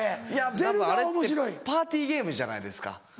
たぶんあれってパーティーゲームじゃないですか。